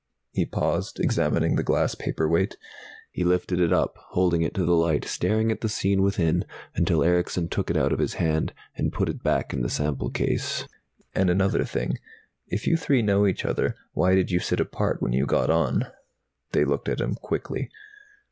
He paused, examining the glass paperweight. He lifted it up, holding it to the light, staring at the scene within until Erickson took it out of his hand and put it back in the sample case. "And another thing. If you three know each other, why did you sit apart when you got on?" They looked at him quickly.